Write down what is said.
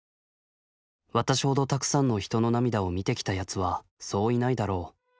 私ほどたくさんの人の涙を見てきたやつはそういないだろう。